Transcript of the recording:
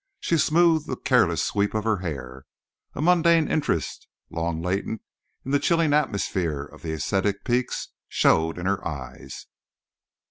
She smoothed the careless sweep of her hair. A mundane interest, long latent in the chilling atmosphere of the ascetic peaks, showed in her eyes.